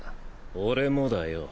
俺もだよ。